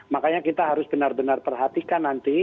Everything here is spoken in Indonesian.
makanya kita harus benar benar perhatikan nanti